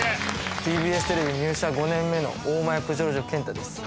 ＴＢＳテレビ入社５年目の大前プジョルジョ健太です